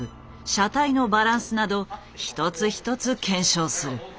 車体のバランスなど一つ一つ検証する。